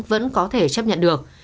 vẫn có thể chấp nhận được